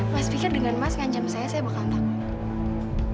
mas pikir dengan mas ngajarmu saya saya bakal takut